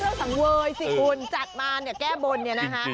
ก็ต้องเป็นเครื่องสังเวยสิคุณจัดมาแก้บนเนี่ยนะคะ